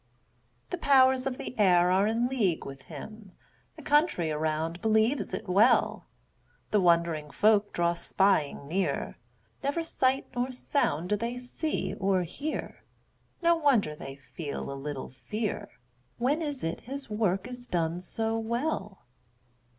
The powers of the air are in league with him; The country around believes it well; The wondering folk draw spying near; Never sight nor sound do they see or hear; No wonder they feel a little fear; When is it his work is done so well?